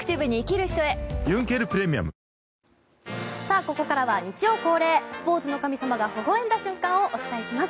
ここからは日曜恒例スポーツの神様がほほ笑んだ瞬間をお伝えします。